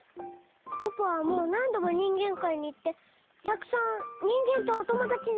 ポポはもうなんどもにんげんかいにいってたくさんにんげんとおともだちになったでしょ？